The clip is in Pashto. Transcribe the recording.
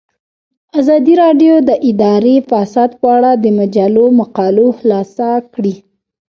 ازادي راډیو د اداري فساد په اړه د مجلو مقالو خلاصه کړې.